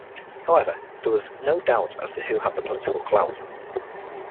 However there was no doubt as to who had the political clout.